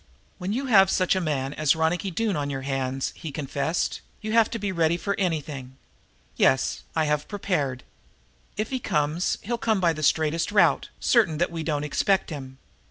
"When you have such a man as Ronicky Doone on your hands," he confessed, "you have to be ready for anything. Yes, I have prepared. If he comes he'll come by the straightest route, certain that we don't expect him.